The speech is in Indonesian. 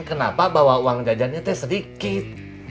kenapa bawa uang jajannya itu sedikit